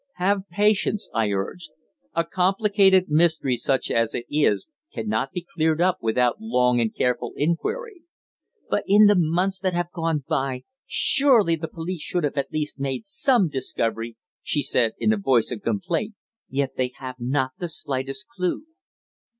"Have patience," I urged. "A complicated mystery such as it is cannot be cleared up without long and careful inquiry." "But in the months that have gone by surely the police should have at least made some discovery?" she said, in a voice of complaint; "yet they have not the slightest clue."